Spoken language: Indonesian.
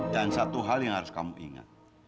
dan satu hal yang harus kamu ingat